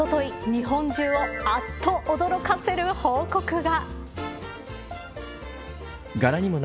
日本中をあっと驚かせる報告が。